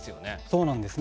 そうなんです。